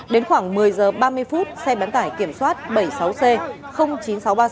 đến khoảng một mươi giờ ba mươi phút xe bán tải kiểm soát bảy mươi sáu c chín nghìn sáu trăm ba mươi sáu